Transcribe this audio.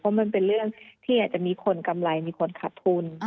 มันเป็นเรื่องที่อาจจะมีคนกำไรมีคนขาดทุน